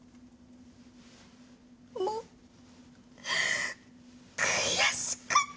もう悔しくて！